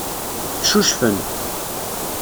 Ccucfen.